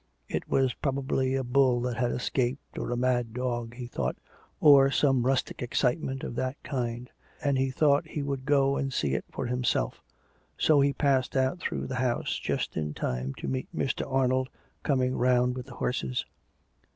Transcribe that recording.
It was probably a bull that had escaped, or a mad dog, he thought, or some rustic excitement of that kind, and he thought he would go and see it for himself; so he passed out through the house, just in time to meet Mr. Arnold coming round with the horses.